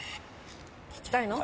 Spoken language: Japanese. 聞きたいの？